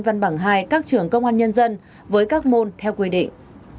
văn bằng hai các trường công an nhân dân với các môn theo quy định